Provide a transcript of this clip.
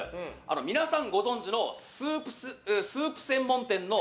皆さんご存知のスープ専門店の。